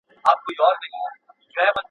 ما به لیده چي زولنې دي ماتولې اشنا